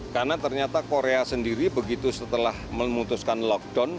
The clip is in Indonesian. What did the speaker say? karena ternyata korea sendiri begitu setelah memutuskan lockdown